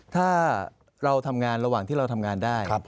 ถ้าเราทำงานระหว่างที่เราทำงานได้